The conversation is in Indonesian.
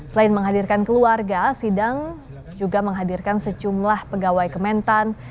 selain menghadirkan keluarga sidang juga menghadirkan sejumlah pegawai kementan